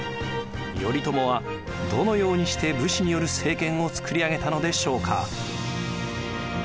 頼朝はどのようにして武士による政権をつくり上げたのでしょうか。